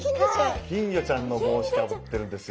金魚ちゃんの帽子かぶってるんですよ。